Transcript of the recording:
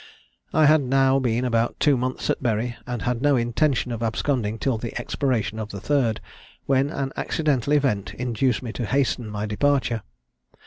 "I had now been about two months at Bury, and had no intention of absconding till the expiration of the third; when an accidental event induced me to hasten my departure.